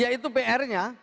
ya itu pr nya